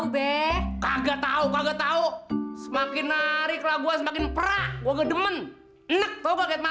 bunga ini ku persembahkan dengan penuh cinta